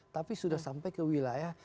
tapi sudah sampai ke wilayah